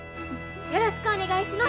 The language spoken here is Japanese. よろしくお願いします！」。